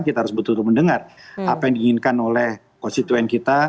kita harus betul betul mendengar apa yang diinginkan oleh konstituen kita